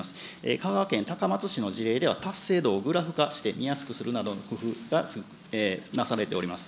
香川県高松市の事例とは達成度をグラフ化して、見やすくする工夫がなされております。